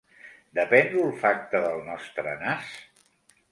¿Depèn l’olfacte del nostre nas?